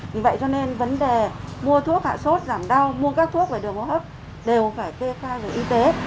vì vậy cho nên vấn đề mua thuốc hạ sốt giảm đau mua các thuốc về đường hô hấp đều phải kê khai về y tế